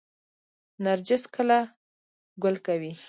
نرجس کله ګل کوي؟